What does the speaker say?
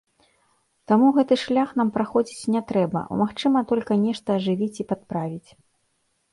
Таму гэты шлях нам праходзіць не трэба, магчыма, толькі нешта ажывіць і падправіць.